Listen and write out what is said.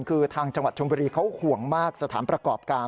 คือทางจังหวัดชมบุรีเขาห่วงมากสถานประกอบการ